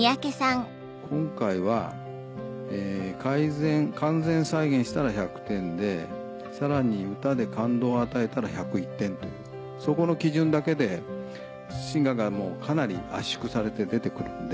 今回は完全再現したら１００点でさらに歌で感動を与えたら１０１点というそこの基準だけでシンガーがかなり圧縮されて出てくるんで。